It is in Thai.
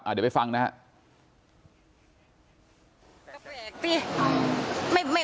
เดี๋ยวไปฟังนะฮะ